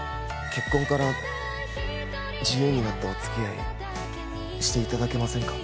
結婚から自由になったおつきあいしていただけませんか